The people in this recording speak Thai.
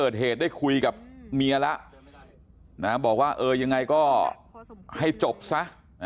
ได้คุยกับเมียแล้วบอกว่ายังไงก็ให้จบซะ